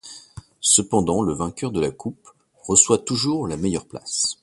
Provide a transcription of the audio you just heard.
Cependant, le vainqueur de la Coupe reçoit toujours la meilleure place.